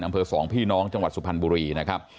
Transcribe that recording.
สองพี่น้องจังหวัดสุพรรณบุรีนะครับ